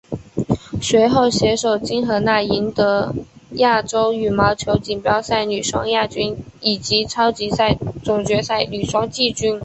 随后携手金荷娜赢得亚洲羽毛球锦标赛女双亚军以及超级赛总决赛女双季军。